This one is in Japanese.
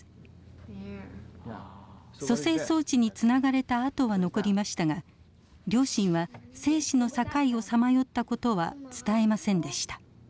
蘇生装置につながれた痕は残りましたが両親は生死の境をさまよった事は伝えませんでした。